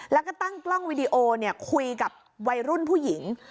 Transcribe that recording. แล้วก็ตั้งกล้องวิดีโอคุยกับวัยรุ่นผู้หญิง